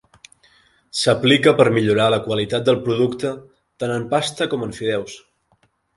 S'aplica per millorar la qualitat del producte tant en pasta com en fideus.